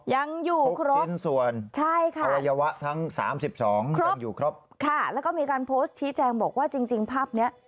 ยังอยู่ครบใช่ค่ะครับแล้วก็มีการโพสต์ชี้แจงบอกว่าจริงภาพนี้